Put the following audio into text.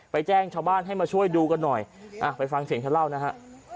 แจ้งชาวบ้านให้มาช่วยดูกันหน่อยไปฟังเสียงเธอเล่านะฮะ